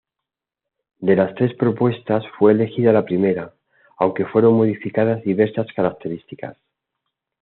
De las tres propuestas, fue elegida la primera, aunque fueron modificadas diversas características.